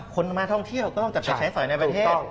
คนมาท่องเที่ยวก็ต้องจับไปใช้สอยในประเทศ